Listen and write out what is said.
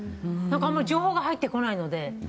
あまり情報が入ってこないので。